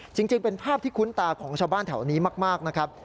จริงเป็นภาพที่คุ้นตาของชาวบ้านแถวนี้มากนะครับ